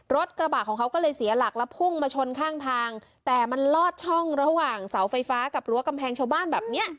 รถกระบะของเขาก็เลยเสียหลักแล้วพุ่งมาชนข้างทางแต่มันลอดช่องระหว่างเสาไฟฟ้ากับรั้วกำแพงชาวบ้านแบบเนี้ย